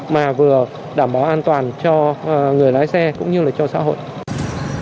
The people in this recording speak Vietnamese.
mà vừa đảm bảo an toàn cho người lái xe cũng như là cho xã hội